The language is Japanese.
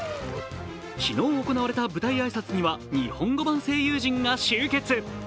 昨日行われた舞台挨拶には日本語版声優陣が集結。